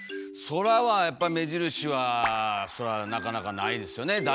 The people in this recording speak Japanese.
空はやっぱ目印はそらなかなかないですよね。